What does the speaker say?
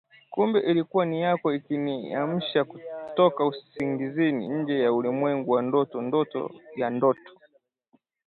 Kumbe ilikuwa ni yako ikiniamsha kutoka usingizini, nje ya ulimwengu wa ndoto, ndoto ya ndoto